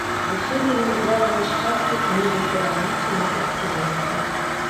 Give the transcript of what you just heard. Усё вельмі звязана з частай зменай кіраўніцтва на прадпрыемстве.